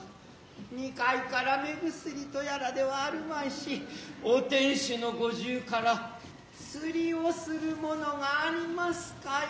二階から目薬とやらではあるまいしお天守の五重から釣をするものがありますかえ。